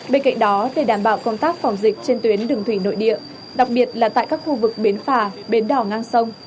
bên cạnh đó để đảm bảo công tác phòng dịch trên tuyến đường thủy nội địa đặc biệt là tại các khu vực bến phà bến đỏ ngang sông